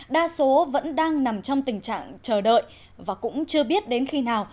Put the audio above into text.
đa số vẫn đang nằm trong tình trạng chờ đợi và cũng chưa biết đến khi nào